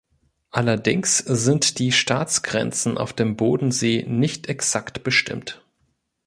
Allerdings sind die Staatsgrenzen auf dem Bodensee nicht exakt bestimmt.